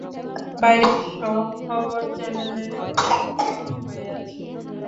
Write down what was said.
বাইরে সব খবরের চ্যানেলের লোকজন জড়ো হয়ে আছে।